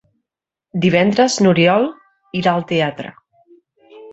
Divendres n'Oriol irà al teatre.